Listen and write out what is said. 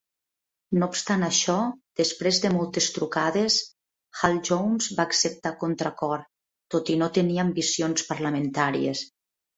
No obstant això, després de moltes trucades, Hall-Jones va acceptar a contracor, tot i no tenir ambicions parlamentàries.